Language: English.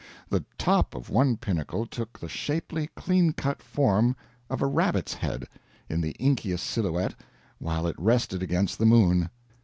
The top of one pinnacle took the shapely, clean cut form of a rabbit's head, in the inkiest silhouette, while it rested against the moon.